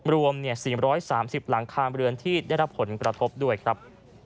รวม๔๓๐หลังคาเรือนที่ได้รับผลกระทบด้วยครับ